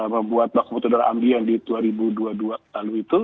membuat baku udara ambien di dua ribu dua puluh dua lalu itu